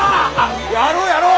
やろうやろう！